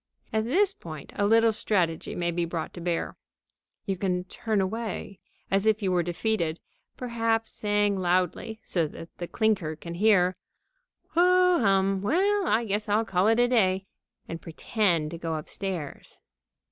At this point a little strategy may be brought to bear. You can turn away, as if you were defeated, perhaps saying loudly, so that the clinker can hear: "Ho hum! Well, I guess I'll call it a day," and pretend to start upstairs.